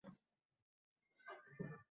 Fayzli uchrashuv